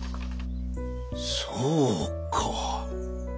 そうか。